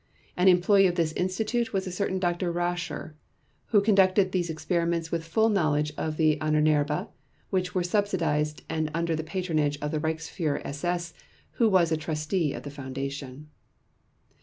An employee of this institute was a certain Dr. Rascher, who conducted these experiments with the full knowledge of the Ahnenerbe, which were subsidized and under the patronage of the Reichsführer SS who was a trustee of the foundation.